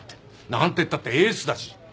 何てったってエースだし。